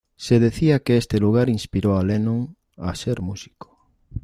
Se decía que este lugar inspiró a Lennon a ser músico.